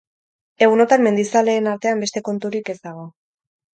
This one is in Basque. Egunotan mendizaleen artean beste konturik ez dago.